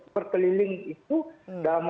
berkeliling itu dalam